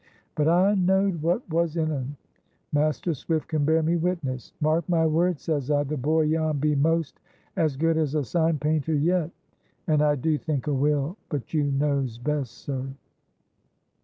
But I knowed what was in un. Master Swift can bear me witness. 'Mark my words,' says I, 'the boy Jan be 'most as good as a sign painter yet.' And I do think a will. But you knows best, sir."